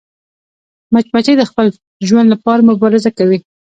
مچمچۍ د خپل ژوند لپاره مبارزه کوي